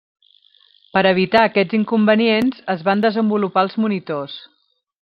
Per evitar aquests inconvenients es van desenvolupar els monitors.